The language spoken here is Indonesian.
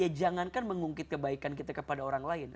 ya jangankan mengungkit kebaikan kita kepada orang lain